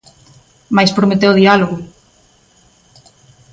Mais prometeu diálogo.